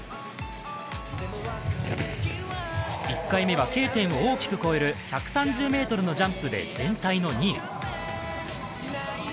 １回目はＫ点を大きく超える１３０ｍのジャンプで全体の２位。